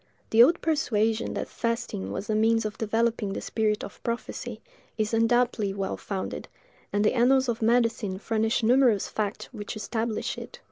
The old persuasion that fasting was a means of developing the spirit of prophecy, is undoubtedly well founded, and the annals of medicine furnish numerous facts which establish it.